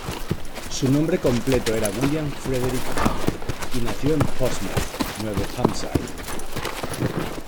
Su nombre completo era William Frederick Haddock, y nació en Portsmouth, Nuevo Hampshire.